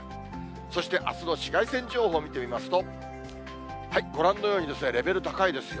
そしてあすの紫外線情報を見てみますと、ご覧のように、レベル高いですよ。